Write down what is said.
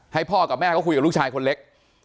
ให้พ่อกับแม่เขาคุยกับลูกชายคนเล็ก